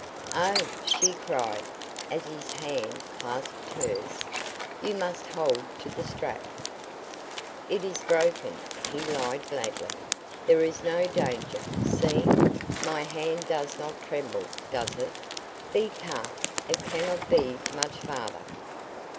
"Oh!" she cried, as his hand clasped hers. "You must hold to the strap." "It is broken!" he lied, gladly, "There is no danger. See! My hand does not tremble, does it? Be calm! It cannot be much farther."